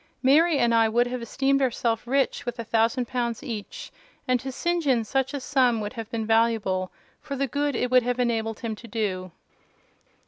Mary and I would have esteemed ourselves rich with a thousand pounds each; and to St. John such a sum would have been valuable, for the good it would have enabled him to do."